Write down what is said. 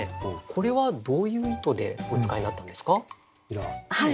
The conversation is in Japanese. これはどういう意図でお使いになったんですか？